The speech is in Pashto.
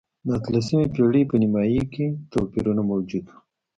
د اتلسمې پېړۍ په نییمایي کې توپیرونه موجود و.